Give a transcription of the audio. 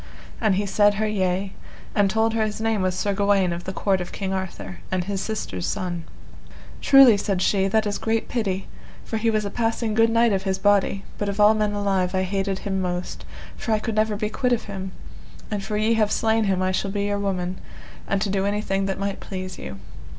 And he said her yea, and told her his name was Sir Gawaine of the court of King Arthur, and his sister's son. Truly, said she, that is great pity, for he was a passing good knight of his body, but of all men alive I hated him most, for I could never be quit of him; and for ye have slain him I shall be your woman, and to do anything that might please you.